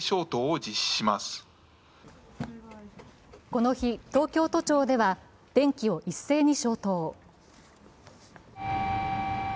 この日、東京都庁では電気を一斉に消灯。